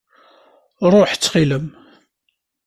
Ṛuḥ ttxil-m!